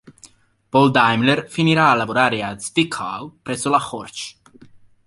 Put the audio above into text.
Paul Daimler finirà a lavorare a Zwickau, presso la Horch.